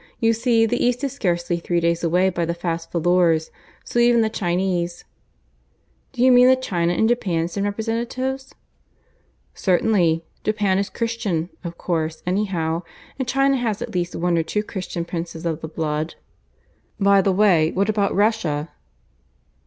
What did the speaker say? You see the East is scarcely three days away by the fast volors; so even the Chinese " "Do you mean that China and Japan send representatives?" "Certainly. Japan is Christian of course, anyhow; and China has at least one or two Christian princes of the blood." "By the way, what about Russia?"